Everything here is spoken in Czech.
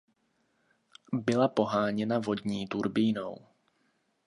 Byla poháněna vodní turbínou.